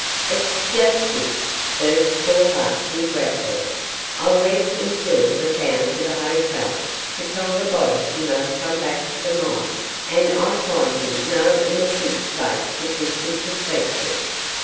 'It's just this,' burst forth Archie, wrathfully. 'I went intil the toun to the hotel, to tell the body he must come back tae the mine, and I find him no in a fit state for a Christian to speak to.